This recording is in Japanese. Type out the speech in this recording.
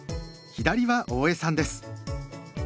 左は大江さんです。